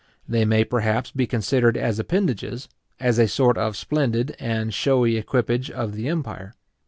They may, perhaps, be considered as appendages, as a sort of splendid and shewy equipage of the empire.